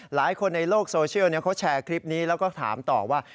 หลายคนในโลกโซเชียลเขาแชร์คลิปนี้แล้วก็ถามต่อว่า